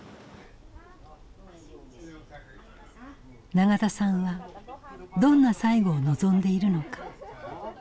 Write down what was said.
永田さんはどんな最期を望んでいるのか。